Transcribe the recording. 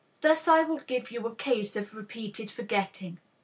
Thus I will give you a case of repeated forgetting.